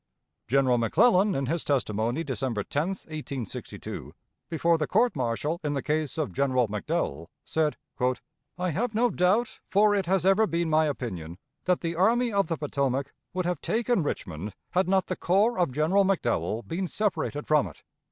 General McClellan, in his testimony December 10, 1862, before the court martial in the case of General McDowell, said: "I have no doubt, for it has ever been my opinion, that the Army of the Potomac would have taken Richmond had not the corps of General McDowell been separated from it.